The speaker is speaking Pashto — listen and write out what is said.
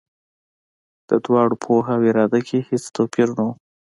د دواړو په پوهه او اراده کې هېڅ توپیر نه و.